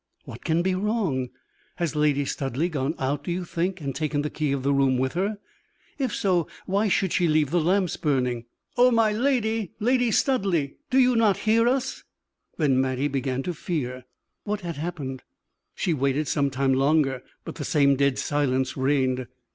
"What can be wrong? Has Lady Studleigh gone out, do you think, and taken the key of the room with her? If so, why should she leave the lamps burning? Oh, my lady! Lady Studleigh! do you not hear us?" Then Mattie began to fear! What had happened? She waited some time longer, but the same dead silence reigned.